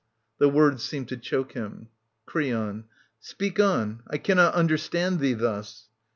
. [The words seem to choke him. / Creon. Speak on. I cannot understand thee thus.